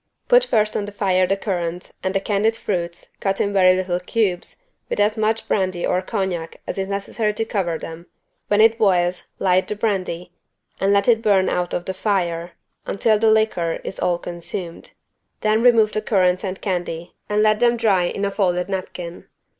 Put first on the fire the currants and the candied fruits cut in very little cubes with as much brandy or cognac as is necessary to cover them: when it boils, light the brandy and let it burn out of the fire until the liquor is all consumed: then remove the currants and candy and let them dry in a folded napkin.